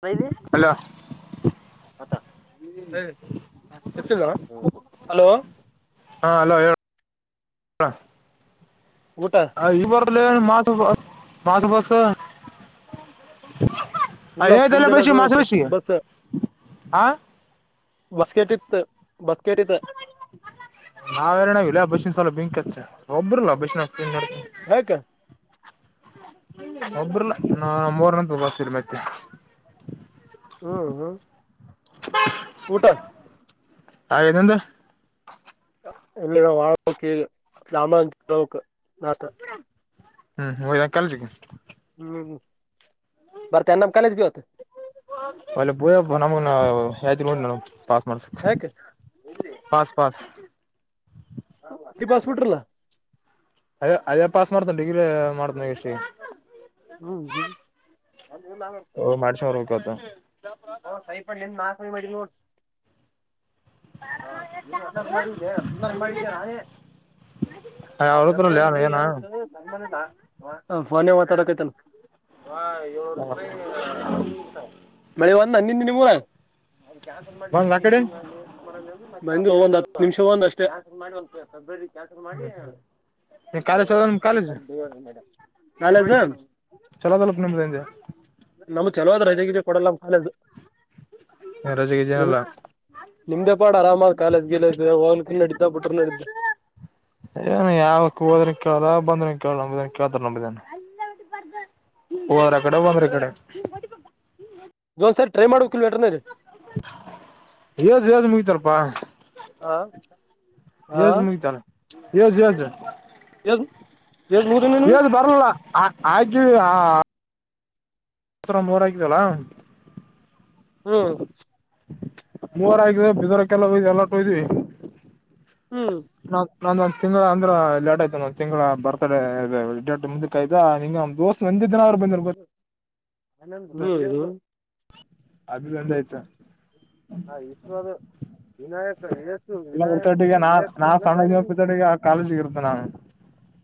ಬಾಯಿಲಿ hello [unintelligible] hello ಊಟ ಈಬರ ಮಾಸ ಹಾರ್ಟ್ ಬಸ್ [inaudible] ಇಲ್ಲ ಏದಲ್ಲ ಮುಂಜಾನೆ ಬಸಿ ಅದು [unintelligible] ಮಾಸ ಕೆಟ್ಟ ಬಸಿ ಬಸ್ ಹಾ ಬಸ್ ಕೆಟ್ಟಿತ್ತು [unintelligible] ಕೆಟ್ಟಿತ್ತ [unintelligible] ನಾವ ಎರ ನಾವ್ ಇಲ್ಲ ಬಸನ್ ಸಲ ಬಿಂಕಚ್ಚ ಒಬ್ಬ್ರಲ್ಲ ಬಸಿನ [unintelligible] [unintelligible] [unintelligible] ಯಾಕ ಒಬ್ಬ್ರಲ್ಲ ನಾ ನಮ್ಮ ಊರನಂತ ತ್ತೀರಿ ಮತ್ತೆ ಹ್ಮ್ ಹ್ಮ್ ಊಟ ಹಾಗೇನಂದ [unintelligible] [unintelligible] [unintelligible] ಹ್ಮ್ ಹೋಗದಾ ಕಾಲೇಜ್ ಹ್ಮ್ ಬರತನ್ನ [unintelligible] ಪಾಸ್ ಮಾಡ್ಸಕ್ ಯಾಕೆ ಪಸ್ ಪಸ್ ಬಸ್ ಬಿಟ್ಟಿರಲ್ಲ ಅದ ಅದೇ ಪಾಸ್ ಮಾಡ್ತಾನ ಡಿಗ್ರಿ ಮಾಡ್ತಾನ ಎಷ್ಟ ಹ್ಮ್ ಹ್ಮ್ ಓ ಮಾಡ್ಸ್ರ ಹತ [unintelligible] [unintelligible] ಹಾ ನೀನ್ ಎಲ್ಲಾರ ಮಾಡಿಲ್ಲೆ ನಿ ಮಾಡಿದ್ದಾನೆ [unintelligible] ಅವ್ರತ್ರಲ್ಲ ಯಾರ ಏನ [unintelligible] ಫೋನೇ ಮಾತಾಡಕ್ ಆಗ್ತಾಯಿಲ್ಲ ಹಾ ಬಿಟ್ಟಾನ [inaudible] ಮಳೆ ಒಂದ್ ಬಂದ್ ಆ ಕಡೆ [unintelligible] ಒಂದ್ ಹತ್ತು ನಿಮಿಷ ಒಂದಷ್ಟಕ ಕಾಲೇಜ್ ಚಲೋ ನಿಮ್ ಕಾಲೇಜ್ [unintelligible] [inaudible] [unintelligible] ಚಲೋದಲ ನಿಮೆ [unintelligible] ನಮ್ ಚಲೋಾದ್ರಜಗ ಕೊಡಲ್ಲ ಕಾಲ [unintelligible] ರಜೆೆಗೆ ಜನಲ್ಲ [unintelligible] ನಿಮ್ದೆ ಪಾಡ್ ಆರಾಮಾಗಿ ಕಾಲೇಜ್ [unintelligible] ಗಲ್ಲ ಹೋಗ ತಿ ನಡಿದ್ದ ಬಿಟರು ನಡಿದ್ದ ಏನು ಯಾವಕ್ ಹೋದ್ರನ್ ಕೇಳ್ದ ಬಂದನ್ ಕೇಳಳ್ ನಂಬುದನ ಕೇಳ್ತಾರ ನಂಬಿದೇನ ಹೋದ್ರ ಕಡೆ ಬಂದ್ರ ಈ ಕಡೆ. ಒಂದು ಸರಿ ಟ್ರೈ ಮಾಡ್ಬೇಕಿಲನ ವೆಟರ್ನರಿ. ಜು ಯಜು ಮುಗತಾರಪ್ಪಾ [unintelligible] ಹಾ ಹಾ ಜು ಮುಗತ. ಯುಎಸ್ ಯುಸ್ ಎ ಏಸ್ ಏಸ್ ಮುಗಿದ ನೀನು ಜ್ ಬರ್ಲ. ಆಯ್ತು ಹಾ. ದಸರ [unintelligible] ಆಕಿದಲ. ಹ್ಮ್ ಮೂವರ ಆಗಿದೆ ಬಿದರಕ್ಕೆಲ್ಲ ಎಲ್ಲಾ ಹೊಯ್ದಿ ಕುಯ್ದಿ. ಹ್ಮ್ ನಂದ ಒಂದ್ ತಿಂಗಳ ಅಂದ್ರ ಲೇಟ್ ಆಯ್ತ ಒಂದ್ ತಿಂಗಳ ಬರ್ತ್ಡೇ ಡೇಟ್ ಮುಂದಕ್ ಆಯ್ತಾ ನಿಂಗ ದೋಸ್ತ್ ನಂದಿ. ದಿನವ್ರು ಬಂದಿರ್ಬೋ ಹ್ಮ ಅದಿನಂದ್ ಐತ. ಹ ಇಶದು. ಎಲ್ಲ ಮತೊಟ್ಟಿಗೆ ನಾ ವಿವೇಕ ನಾ ಎಲ್ಲ ನಾನೇ ಸಣ್ಣತಟ್ಟಿಗೆ ಆ ಕಾಲೇಜಿಗ ಇರತ್ತೆನ ನಾನು.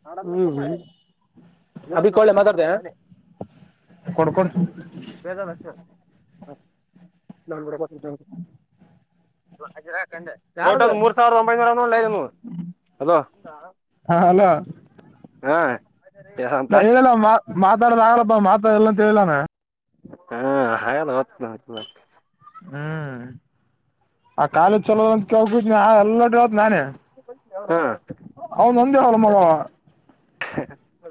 ಹ ಹ್ಮ್ ಅಭ ಕೊಳ್ಳ ಮಾತಾಡ್ತೀಯಾ. ಕೊಡ್ಕೊಡ್ ಬೇಜಾರ್ ಅಷ್ಟೇ [unintelligible] ಅಜಿರೇ. ಟೋಟಲ್ ಮೂರು ಸಾವಿರದ ಒಂಬೈನೂರನೊಳ್ಳೆ ನಮ್ಮವು ಹಲೋ. ಹ ಅಲೋ ಹಾ ನಾ ಹೇಳಲ್ಲ ಮಾ ಮಾತಾಡೋ ಆಗ್ಲಪ್ಪ ಮಾತಾಡಲ್ಲ ಅಂತ ಹೇಳಿಲ್ಲನ. ಹಾ ಹಾಗಲ್ಲ ಹೊತ್ತು ನ [unintelligible] ಹ್ಮ್ ಆ ಕಾಲೇಜ್ ಚಲೋದ್ ಅಂತ ಹೋಗ್ಬಿಟ್ನಾ ಎಲ್ಲ ನೋ [unintelligible] ತ್ ನಾನೇ ಅವನ್ ಒಂದೇ ರೂಂ ನವು.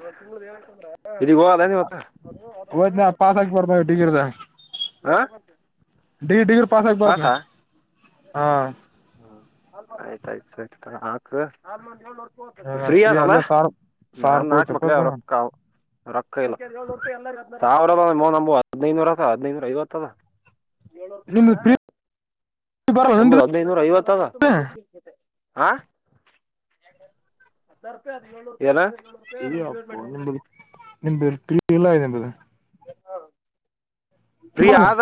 ಮೇ ತಿಂಗಳ್ದ ಏನತಂದ್ರೇ. ಹೋದ್ನ ಪಾಸಕ್ಕೆ ಪಡ್ತ [unintelligible] ಡಿಗ್ರ ಡಿಗ್ರಿ ಪಾಸ್ ಆಗಬಾರತ್ನ ಹಾ. ನ ಫ್ರೀ ಆದಲ್ಲ. ಅಲ್ಲೇ ಸಾರ್ ಸಾರ್ ನಾನ್ ನಾಲ್ಕ್ ಹೋಯ್ತಪ್ಪ ಮಕ್ಳ ಅವ್ರೊಕ್ಕ ಅವು ರೊಕ್ಕ ಇಲ್ಲ. ಸಾವ್ರ ಮ ನಂಬು ಹದಿನೈನೂರ ಅದ ಹದಿನೈದುನೂರ ಐವತ್ತದ. ನಿಮ್ದು ಪ್ರೀ ಬರಲ್ಲ ನಂದು ನಿಮ್ದು ಹದ್ನೈನೂರ ಐವತ್ ಅದ. ಹಾ ಏನ ಇ ಅಪ್ಪ ನಿಂದು ನಿಂದು [unintelligible] ಇಲ್ಲ ಇ ನಿದು [unintelligible] ಹಾ ಪ್ರೀ ಆದ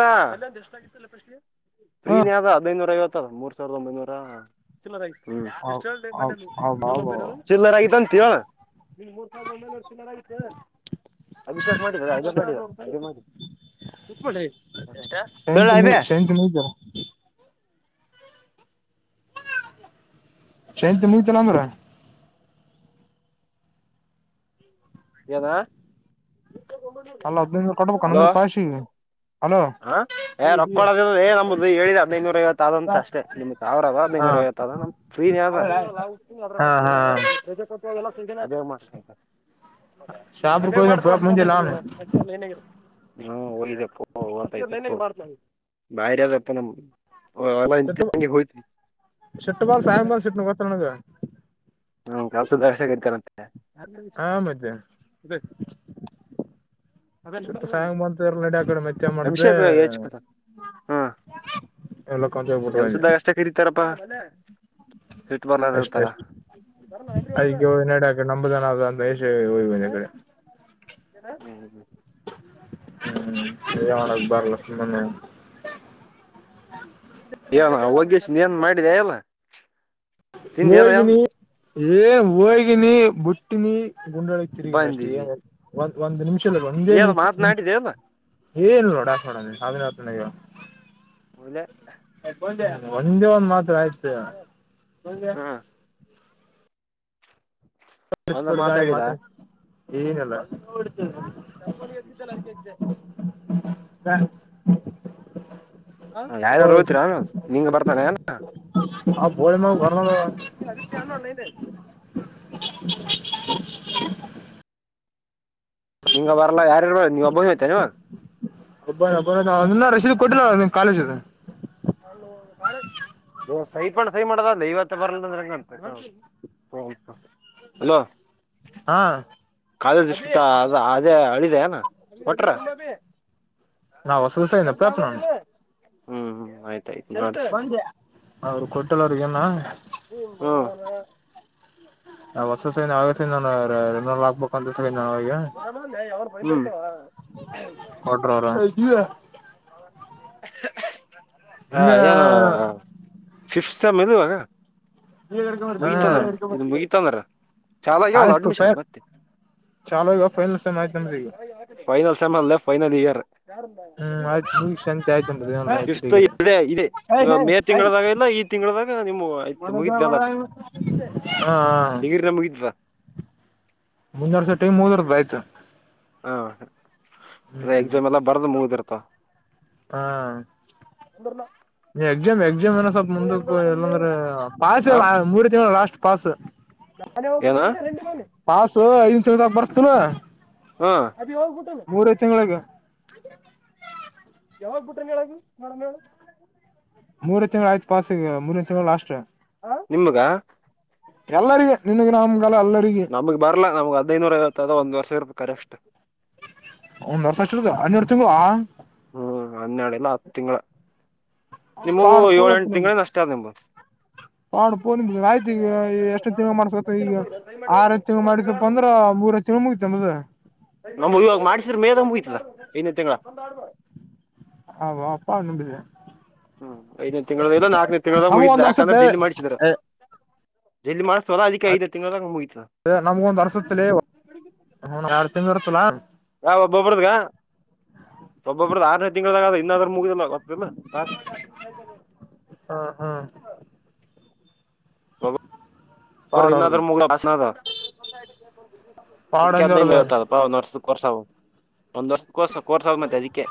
ಹ ಪ್ರೀನೇ ಆದ ಹದಿನೈನೂರ ಐವತ್ತ್. ಇ ಮೂರ್ ಸಾವಿರದ ಒಂಬೈನೂರ. ಹೌ ಹೌ ಹೌದೌದು ಚಿಲ್ಲರ ಆಗಿತಂತ ಹೇಳು. ನಿನ್ ಮೂರ್ ಸಾವಿದ ಒಂಬೈನೂರ ಚಿಲ್ಲರೆಯಾಗಿತ. ಅಭಿಷೇಕ್ ಮಾಡಿದ ಹಾಗೇ ಮಾಡಿದ ಅ ಮಾಡ [unintelligible] ಹೇಳ ಶಂತ ಆಬಿ. ಶಂತ ಮುಗಿತಾರ ಶೈಂತಿ ಮುಗತಲ್ಲ ಅಂದ್ರ. ಏನಾ ಅಲ್ಲ ಹದ್ನೈದು ಕೊಡ್ಬೇಕ ಹಲೋ. ಅಂದ್ರ ಪಾಶಿಗೆ ಹಲೋ ಹಾಏ ರೊಕ್ಕೊಳದ ಏ ನಮ್ದು ಹೇಳಿದ ಹದ್ನೈದುನೂರ ಐವತ್ ಆದಂತ ಅಷ್ಟೇ ನಿಮ್ ಸಾವಿರದ [unintelligible] ನೂರ ಐವತ್ ಅದಾ ಫ್ರೀ ಇದ್ಯನಪ್ಪಾ. ಹಾ ಹಾ ಹಾ ಶಾಪುರ್ಕ್ ಅದೇ ಹೋಗಿದ್ನ ಮಾಡ್ತ್ ಪುಳಪ್ ನೋಡಿ ಫೋನ್ಲ್ ಮುಂಜೆಲ್ಲ ಇರು ಅವ್ನು ನೀನು ಲೈನಲ್ ಇರು. ಹಾ ಹೋಗಪ್ಪ ಬಾರಿ ಅದಪ್ಪ ನಮ ಶೆಟ್ಟ [unintelligible] ಅ ಹತಿ ಶೆಟ್ಟ ಬಾಲ್ ಸಾಯಂಗ್ ಬಾಲ್ ಸಿಟ್ನ ಗೊತ್ತ ನನಗ [unintelligible] ಹ್ಮ್ ಕಲ್ಸದಷ ಕತಾರಂತೆ [unintelligible] ಆ ಮತ್ತೆ ಸ್ವಲ್ಪ ಸಾಯಂಗ್ ಬಂತ ಎರ್ ನಡಿ ಆ ಕಡೆ ಮೆಚ್ಚ ಮಾಡ್ದೆ ಎಲ್ಲಕ್ಕಂತ ಹೋಗ್ಬಿಟ್ಟು ಅಔ ಸಧ ಕಷ್ಟ ರಿತಪ್ಪ [unintelligible] ಅಷ್ಟ ಅಷ್ಟ ಅದಗೆ ಹ ನಡಕ ನಂಬುದ ಾವ ಕಡೆ [unintelligible] ಹ್ಮ್ [inaudible] ಹ್ಮ್ ಮಾಡಕ್ ಬರಲ್ಲ ಸುಮ್ಮನೆ ಏನ ಒೋಗಷ್ಟ ಏನ್ ಮಾಡಿದೆ ಎಲ್ಲ ತಿಂದ ಎಲ್ಲ ಎನು [unintelligible] ಏ ಹೋಗಿನಿ ಬುಟ್ಟಿನಿ ಗುಂಡೊಳಗ್ ತಿರುಗಿನಿ ಅಷ್ಟೇ ಏ ಬಂದಿದಿ ಒಂದ್ ಒಂದ್ ನಿಮಿಷ ಒಂದೇ ಏನ್ ನಿಮಷ ನಿಮ ಮಾತನಾಡಿದೆ ಎಲ್ಲ ಏನ್ ರೋಡಾಸೋಡ ಸಾವಿನಾಥನ [unintelligible] ಅಲೆ ಒಂದೇ ಒಂದ್ ಮಾತ್ ಆಯ್ತು ಹಾ ಒಂದ ಬಿಡ್ ಗಳಿ ಮಾತಾಡಿದ ಮತ್ತ ಏನಲ್ಲ [unintelligible] ತಪ್ಪುಲಿ ಎ ಚತಲ್ಲ ಅ ಕ [unintelligible] ಯಾರಾರು ಹೋಯ್ತೀರಾ ನಿಂಗ ಬರ್ತಾನೆ ಎಲ್ಲ [unintelligible] ಆ ಬೋಳಿ ಮಗ ಬರ್ನೋದು ಈ ಅ ಅನ್ನೋಡಲ ನ್ಯ್ತು [unintelligible] [inaudible] ನಿಂಗ ಬರಲ್ಲ ಯಾರಾರ ನೀ್ ಒಬ್ಬಿ ಹಯ್ತನ್ವಾ [unintelligible] ನ್ನ ರಸೀದ ಕೊಟ್ಟಿಲ್ಲ ಅವ ನಿಮ್ ಕಾಲೇಜ [unintelligible] ನ ಕ [unintelligible] ದವ ಸೈ ಪಣ ಸೈ ಮಾಡೋದಲ್ಲ ಇವತ್ತ ಬರಲ್ಲ ಅಂದ್ರ ಹೆಂಗ [unintelligible] ಹಲೋ ಹಾ ಕಾಲಷ್ಟ ಅ ಅದೇ ಅಳಿದೆ ಅನ ಹೊಟ್ರ [unintelligible] ನಾ ಹೊಸದು ಸ ಪ್ರಾಪ್ ನಾನು [unintelligible] ಹ್ಮ್ ಹ್ಮ್ ಆಯ್ತಾಯ್ತು ನೋಡ್ರಿ ಬಂದೆ ಅವರು ಕೊಟ್ಟಳ ಅವ್ರ ಏನ [unintelligible] ಹ್ಮ ಹೊರ್ಸ ಸ ಆಗ ನಾನು ಹಾಕ್ಬೇಕು ಅಂತ [unintelligible] ನಾವ ಈಗಟ [unintelligible] ಹೌ [unintelligible] ಹ ಇನ್ನ ಏನ ಫಿಫ್ತ್ ಸಮ್ ಇಲ್ ಇವಾಗ ಮುಗಿತಂದ್ರ ಇದು ಮುಗಿತಂದ್ರ ಚಾಲ ಆಗ್ಯಾವಲ್ಲ ಆಯ್ತು ಕ ಅಡ್ಮಿಷನ್ [unintelligible] ಮತ್ತೆ ಚಾಲೋ ಇಗ ೈನ್ಸ ಮಾಹ ಸಿಗ [unintelligible] ಫೈನಲ್ ಸೆಮನ್ಲ್ಲ ಫೈನಲ್ ಇಯರ್ ಹ್ಮ್ ಆಯ್ತು [unintelligible] ಮುಗಿಸಿ ಶಾಂತಿ ಆಯ್ತು ಅಂತ ದೇವನ ಆಯ್ತು ಡಿಗ್ರಿ. ಎ ಇದೆ ಇ ಏಯ್ ಏಯ್ ಮೇ ಏಯ್ ತಿಂಗಳದಾಗ ಇಲ್ಲ ತಿಂಗಳದಾಗ ನಿಮ್ಮ ಆಯ್ತು ಮುಗಿದ್ವಿ ಅಲ್ಲಟ್ ಹಾ ಡಿಗರಿಿನ ಮುಗಿದ್ವ [unintelligible] ಮುಂದ ವರ್ಷ ಟೈಮ್ ದುವರ್ದ ಆಯ್ತು [unintelligible] ಹಾ ಹ್ಮ್ ಎಕ್ಸಾಮ್ ಎಲ್ಲಾ ಬರ್ದ ಮುಗ್ದಿರ್ತ ಹಾ ಎಾಮ [unintelligible] ನ ಸ್ವಲ್ಪ ಮುಂದ ಎಲ್ಲಂದ್ರೆ ಪಸ್ ಮೂರು ತಿಂಗಳು ಲಾಸ್ಟ್ ಪಸ್ ನಾನ ಹ ಮನೆ ಐ ತಿದಕ ಬರ್ತನಾ ಹಾ ಮೂರೈ ತಿಂಗಳಗ ಯಾವಾಗ್ ಬುಟ ಹೇಳಗ ನೋಡ ಹೇಳ ಮೂರ ತಿಂಗಳು ಆಯ್ತು ಪಾಸಸ್ಿಗೆ ಮೂರ ತಿಂಗಳು ಅಷ್ಟ ಹ ನಿಮಗ ಎಲ್ಲರಿಗೆಗ ನಿನ್ಗೆ ನಮ್ ನಮಗ್ ಬರ್ಲ್ಲ ನಮಗ್ ಹದೈನೂರ ಐವತ್ತದ ಒಂದಂದುರ್ ಸಾವ ರೂಪಾಯಿ ಕರೆ ಅಷ್ಟು ಒಂದೂರ್ ಸಷ್ಟಗ ಹನ್ನೂರ್ ತಿಂಗಳಾ ಹ್ಮ್ ಹನ್ನೆಡೆ ಎಲ್ಲಾ ಹತ್ತು ತಿಂಗಗಳ ನಿಮಗೂ ಏಳ ಎಂಟು ತಿಂಗಗಳ ಅಷ್ಟ ಆದ್ ನಿಮತ್ ಹಾಡ್ ಪೋನ ಆಯ್ತ ಈಗ ಎಷ್ಟು ತಿಂಗ ಮಾಡ್ಸ ಈಗ ಆರ ತಿಂಗ ಮಾಡಿಸಪ್ಪ ಅಂದ್ರ ಮೂರುತ್ತು ಮುಗಿತ ಮದ ನಮ ಇವಾಗ ಮಾಡಸ್ರ ಮೇದಂಬಯತದ ಇನೇ ತಿಂಗಳ ಹ ಅಪ್ಪ ಅವ್ ನುಂಬಿದ ಹ್ಮ್ ಐದನೇ ತಿಂಗಳ ಇಲ್ಲ ನಾಲ್ಕನೇ ತಿಂಗಳಾಗ ನಮ್ಗ ಮುಗಿದ ಒಂದ್ ಯಾಕಂದ್ರೆ ಅರ್ಸತ್ತೆ ಜಲ್ಲಿ ಮಾಡ್ಸಿದ್ರ ಎಲ್ಲಿ ಮಾಡಿಸ್ತಾರಲ್ಲ ಅದಕ್ಕೆ ಐದು ತಿಂಗಳಳ ಹ ಮುಯ್ತ್ತು ನಮ್ಗ ಒಂದ್ ಅರ್ಸತ್ [unintelligible] ಇರ್ತ್ತಲಾ ಯಾವ ಒಬ್ಬೊಬ್ಬ್ರದಗ ಒಬ್ಬೊ ಒಬ್ಬ್ದ ಆರನೇ ತಿಂಗಳ ಇನ್ನಾದ್ರ ಮುಗಿದಲ್ಲಾಸ್ ಹಾ ಹಾ ಪಾಡ್ ಅವ್ರದ [unintelligible] ಪಾಡ್ ಅಂದ ಅದಕ್ಕೆದ ಅವ್ರದ ಇತ್ತ ಅಲ್ಪ ಒಂದ್ ವರ್ಷದರ್ಸ ಒಂದ ವರ್ಷದರ್ಸ ಕೋರ್ಸ್ ಹೋಗ ಮತ್ತೆ ಅದಕ್ಕೆ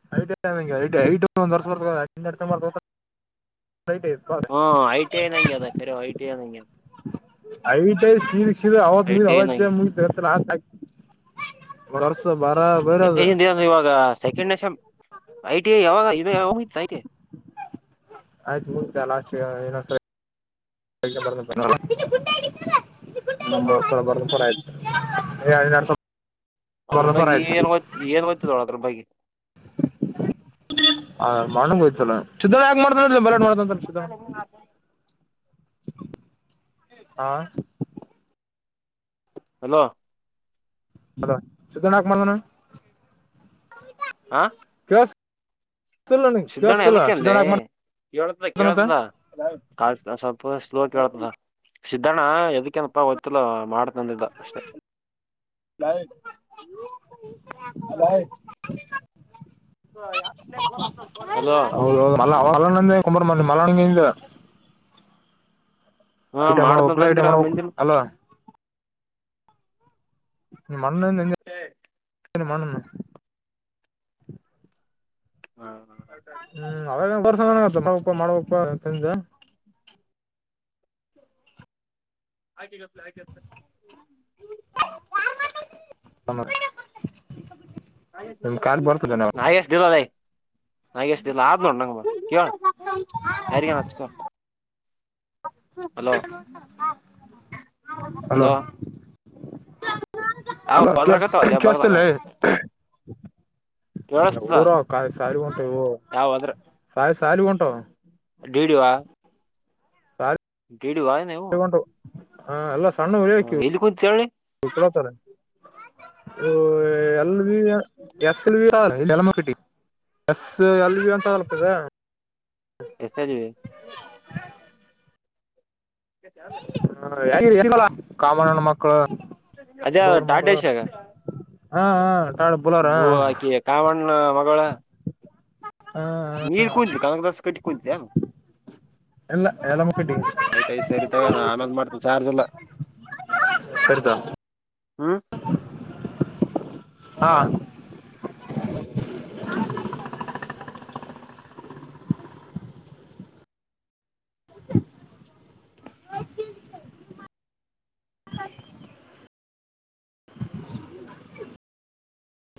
[unintelligible] ಹ್ಮ ಐ ಟಿ ಐ ನಂಗೆ ಅದ ಕರ ಐ ಟಿ ಐ ನಂಗೆ ಅ ಐಟ್ಐ ಶೀ ಶೀರ ಅವತ್ ಮುಗ ಟಿ ಐ ಅವತ್ತ ನಂಗೆ ಮು ಮರ [unintelligible] ಇದ ಇವಾಗ second same I T I ಯಾವಾಗ ಇ ಯಾವ ಇತ್ತು ಆಐ ಆಯ್ತು ಹಟ [unintelligible] ನಮ ಹಾ ಬರ್ ಥರ ಆಯ್ತು ಹತ್ರುಪಾಯಿಗೆ ಏನು ಬರುತ್ತದೆ [unintelligible] ಹ ಮಾಡ್ಂಗೋಯ್ತಲ್ಲ ಸಿದ್ದಣ್ಣ ಯಾಕ ಮಾಡ್ತನ್ ಸಿದ್ದಣ್ಣ [unintelligible] ಹಾ ಹಲೋ ಹಲೋ ಸಿದ್ದಣ್ಣ ಯಾಕ್ ಮಾಡಿದನು ಹಾ ಹಸ್ ಸ್ಧಣ ಅದಕ್ಕೆಂದೆ ಕೇಳತ ಮಾಡ್ತಾನಂತ ಕೇಳತ ಕಾ ಸ್ವಲ್ಪ ಸ್ಲೋ ಕತದ ಸಿದ್ದಣ್ಣ ಎದಕ್ಕೇನಪ್ಪಾ ಗೊತ್ತಿಲ್ಲ ಮಾಡ್ತಂದಿದ್ದ ಅಷ್ಟೆ ಅ ಹಲೋ [unintelligible] ಕುಂಬಾರ ಮಂದ ಮಲ್ಲ ಹಾ ಐಟಿ ಎ ಮಾಡಕ್ಲ ಐಟಿಎ ಮಾಡ್ದಂತಂದಿರ ಮಾಡಬೇಕು ಮಂದಿನ ಹಲೋ [unintelligible] ಹ್ಮ ಹ ಹ್ಮ್ ಅವಾಗ ಮಾಡಪ ಮಾಡ್ಬೇಕಪ್ಪಾ ತಿಂದ ಆಕಿಗ ಅತ್ತ ಸುಮ್ನಿರು [unintelligible] ನಾಯಿ ಎಷ್ಟಿದಾವೆ ನಾಯಿ ಎಷ್ಟಿದಾವೆ ನಾಯಿ ಅಷ್ಟ ಲಾಭ ನೋಡು ನಂಗ ಕೇಳ ಯಾರಿಗನಹಚ್ಕ ಹಲೋ ಹಲೋ ಯಾವ ಅಲ್ಲ ಕೆ ಅದ್ರಾಗತ್ತಾವ ಅಲ್ಲೇ ಬಗ್ಲಾಗ ಕೇಳುಸಿತ್ತಲ್ಲವೇ ಕೇಳಸ್ತದ ಹುಡುಗರು ಸಾಲಿ ಹೊಂಟವಲೆ ಯಾವ ಅದ್ರ ಸಾಲಿ ಸಾಲಿ ಹೊಂಟವೆ [unintelligible] [inaudible] ಇಡವಾ ಇನ್ ಇವು ಹೊಂಟವು ಹಾ ಅಲ್ಲಾ ಸಣ್ಣ ಇರಬೇಕಿವ ಹೇಳಿ ಉಳ್ಕೊತಾರ [inaudible] ಓ ಎಲ್ಲದಿ ಎಸ್ ಎಲ್ ಆರ್ ಚಳ್ಳಮಕಟ್ಟಿ - ಬಸ್ ಯಲ್ಲಿ ಅಂತ ಅಳ್ತದ ಎಸ್ಟರ್ಡೇ ಇಲ್ಲೇ ಚಲ್ಲ [inaudible] ಕಾಮಣ್ಣನ ಮಕ್ಕಳು ಅದೇ ಗೌಡ ಟಾಟಾ ಮಕ್ಕಳು ಈಸಿಗಾ ಹಾ ಹ ಟಾಳ ಬುಲಾರ ನನ್ನ ಮಗಳ ಹ ಈಗ ಕುಂತಿ ಕಾಂಗ್ರೆಸ್ ಕಟ್ಟಿ ಕುಂತ್ಯ ಎಲ್ಲ ಎಲ್ಲ ಮುಕ್ಕಟ್ಟಿ ಆಯ್ತಾಯ್ತು ಸರಿ ತೊಗೋ ಆಮೇಲ್ ಮಾಡ್ತೀನಿ ಚಾರ್ಜ್ ಎಲ್ಲ ಕರಿತಾಳ [unintelligible] ಹು ಹಾ [unintelligible] [unintelligible] [unintelligible]